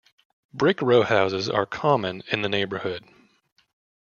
Brick rowhouses are common in the neighborhood.